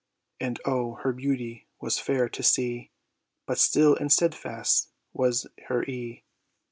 And O, her beauty was fair to see, But still and steadfast was her ee!